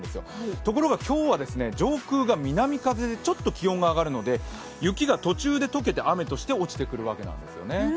ところが今日は上空が南風でちょっと気温が上がるので雪が途中で溶けて、雨として落ちてくるわけなんですよね。